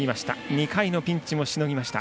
２回のピンチもしのぎました。